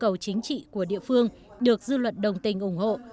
các vụ án đối với yêu cầu chính trị của địa phương được dư luận đồng tình ủng hộ